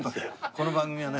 この番組はね。